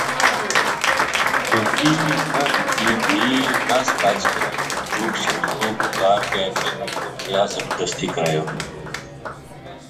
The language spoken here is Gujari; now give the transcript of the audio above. بیٹکی نہ دِتی بھی نس بھج کے بندوق شندوق اُگر کے میں اپنو بیاہ زبردستی کرایو